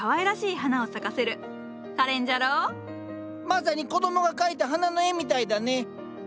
まさに子供が描いた花の絵みたいだね。